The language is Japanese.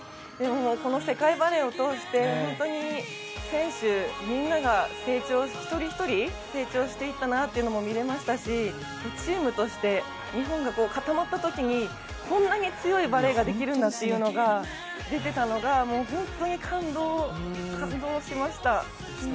この世界バレーを通して選手みんなが一人一人成長していったなというのも見れましたし、チームとして日本が固まったときにこんなに強いバレーができるんだというのが出ていたのが本当に感動しました。